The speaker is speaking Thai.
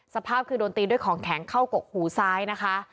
สภาพคือโดนตีด้วยของแข็งเข้ากกหูซ้ายนะคะ